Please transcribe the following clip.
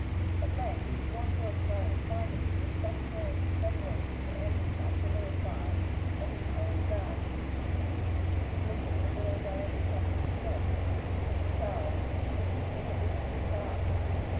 At length Lord George Murray, finding that he was suffering heavily from the enemy's artillery fire, while his own guns inflicted but little damage upon them, sent to Prince Charles for permission to charge.